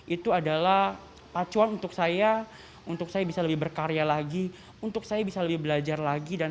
itu adalah pacuan untuk saya untuk saya bisa lebih berkarya lagi untuk saya bisa lebih belajar lagi dan